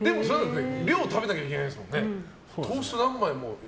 量食べなきゃいけないですもんね。